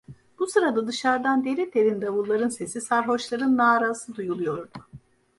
Bu sırada dışardan derin derin davulların sesi, sarhoşların narası duyuluyordu.